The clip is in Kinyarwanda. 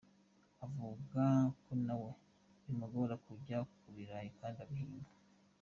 Avuga ko nawe bimugora kurya ku birayi kandi abihinga.